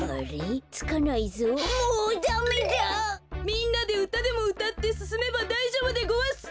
みんなでうたでもうたってすすめばだいじょうぶでごわす。